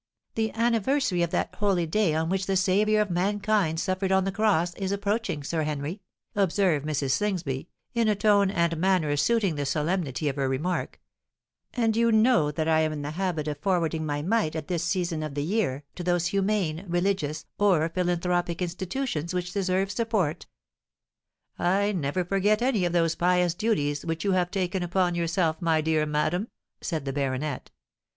"The anniversary of that holy day on which the Saviour of Mankind suffered on the cross, is approaching, Sir Henry," observed Mrs. Slingsby, in a tone and manner suiting the solemnity of her remark; "and you know that I am in the habit of forwarding my mite at this season of the year to those humane, religious, or philanthropic institutions which deserve support." "I never forget any of those pious duties which you have taken upon yourself, my dear madam," said the baronet.